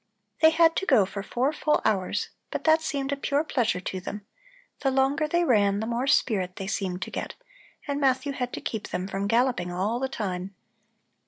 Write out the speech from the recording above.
They had to go for four full hours, but that seemed a pure pleasure to them; the longer they ran, the more spirit they seemed to get, and Matthew had to keep them from galloping all the time.